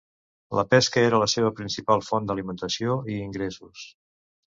La pesca era la seva principal font d'alimentació i ingressos.